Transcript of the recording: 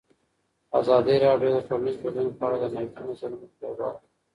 ازادي راډیو د ټولنیز بدلون په اړه د نقدي نظرونو کوربه وه.